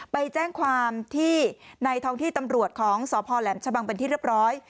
ไปแจ้งความที่ในท้องที่ตำรวจของสพแหลมชะบังเป็นที่เรียบร้อย